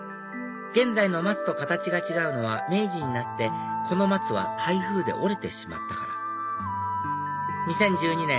現在の松と形が違うのは明治になってこの松は台風で折れてしまったから２０１２年